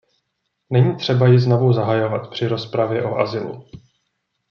Není třeba ji znovu zahajovat při rozpravě o azylu.